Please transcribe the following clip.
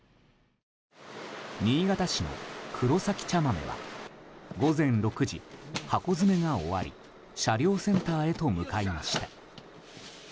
新潟市のくろさき茶豆は午前６時、箱詰めが終わり車両センターへと向かいました。